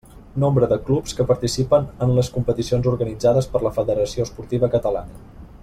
Nombre de clubs que participen en les competicions organitzades per la federació esportiva catalana.